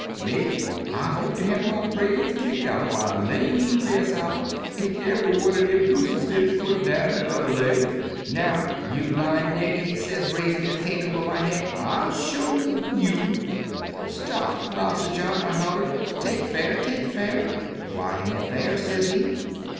"Major, I hope to have my brains kicked out by a lame grasshopper if ebery one ob dem gooses didn't put down de udder leg! "'Now, you lyin' nigger,' he says, raisin' his cane ober my head, 'I'll show you' "'Stop, Marsa John!' I hollered; ''t ain't fair, 't ain't fair.' "'Why ain't it fair?' says he.